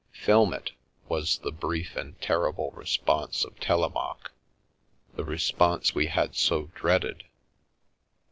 " Film it," was the brief and terrible response of Telemaque, the response we had so dreaded.